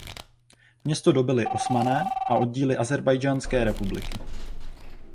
Město dobyli Osmané a oddíly Ázerbájdžánské republiky.